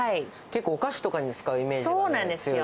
結構、お菓子とかに使うイメージですね。